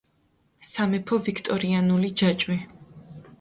სამეფო ვიქტორიანული ჯაჭვი.